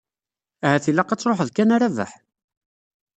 Ahat ilaq ad truḥeḍ kan a Rabaḥ.